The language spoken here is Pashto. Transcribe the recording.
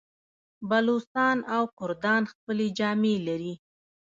بلوڅان او کردان خپلې جامې لري.